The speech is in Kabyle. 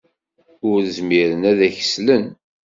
Ur zmiren ad ak-slen.